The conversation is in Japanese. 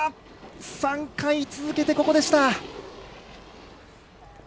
３回続けて、ここでした。